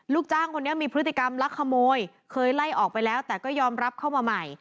ลูกจ้างคนนี้มีพฤติกรรมลักขโมยเคยไล่ออกไปแล้วแต่ก็ยอมรับเข้ามาใหม่